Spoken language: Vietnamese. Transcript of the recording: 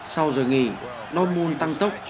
sau giờ nghỉ dortmund tăng tốc